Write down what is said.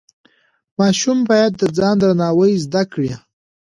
ماشوم باید د ځان درناوی زده کړي.